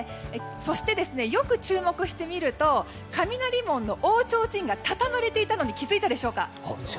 そして、よく注目して見ると雷門の大ちょうちんが畳まれていたの気づいたでしょうか。